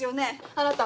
あなた